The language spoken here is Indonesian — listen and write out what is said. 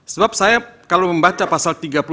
sebab saya kalau membaca pasal